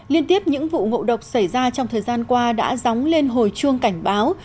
liên tiếp những vụ ngộ độc xảy ra trong thời gian qua đã dóng lên hồi chuông cảnh báo